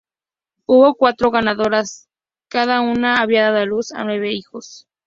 Hubo cuatro ganadoras; cada una había dado a luz a nueve hijos.